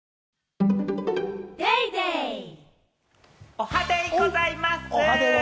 おはデイございます！